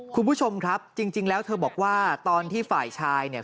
คุณผู้ชมครับจริงแล้วเธอบอกว่าตอนที่ฝ่ายชายเนี่ย